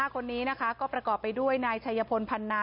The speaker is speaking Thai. คนนี้นะคะก็ประกอบไปด้วยนายชัยพลพันนา